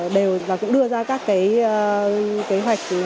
đều đưa ra các kế hoạch